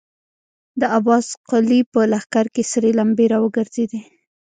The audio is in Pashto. د عباس قلي په لښکر کې سرې لمبې را وګرځېدې.